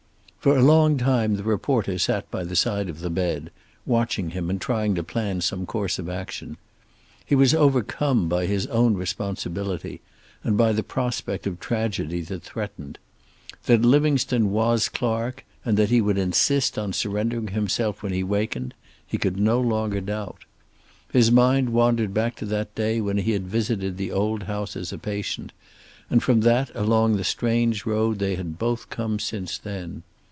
For a long time the reporter sat by the side of the bed, watching him and trying to plan some course of action. He was overcome by his own responsibility, and by the prospect of tragedy that threatened. That Livingstone was Clark, and that he would insist on surrendering himself when he wakened, he could no longer doubt. His mind wandered back to that day when he had visited the old house as a patient, and from that along the strange road they had both come since then.